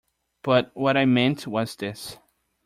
But what I meant was this.